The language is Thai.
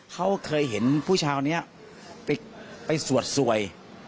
เขาเคยเห็นผู้ชายนี้ไปสวดสวย